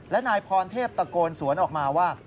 และนายพรเทพตะโกนสวนออกมาว่า